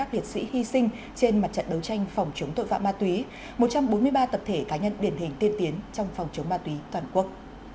trong trận đấu tranh phòng chống tội phạm ma túy một trăm bốn mươi ba tập thể cá nhân điển hình tiên tiến trong phòng chống ma túy toàn quốc